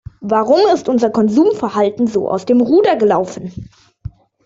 Warum ist unser Konsumverhalten so aus dem Ruder gelaufen?